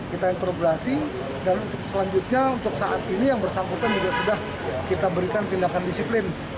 kita interograsi dan selanjutnya untuk saat ini yang bersangkutan juga sudah kita berikan tindakan disiplin